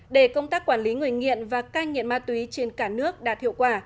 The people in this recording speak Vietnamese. để công tác quản lý người nghiện và cai nghiện ma túy trên cả nước đạt hiệu quả